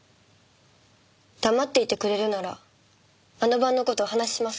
黙っていてくれるならあの晩の事お話ししますけど。